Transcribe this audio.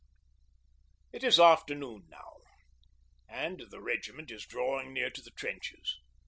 It is afternoon now, and the regiment is drawing near to the trenches.